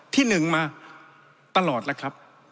ที่หนึ่งมาตลอดแล้วครับ